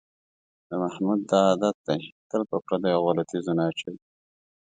د محمود دا عادت دی، تل په پردیو غولو تیزونه اچوي.